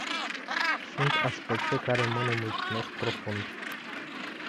Sunt aspecte care mă nemulțumesc profund.